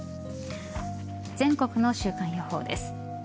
全国の週間予報です。